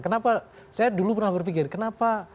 kenapa saya dulu pernah berpikir kenapa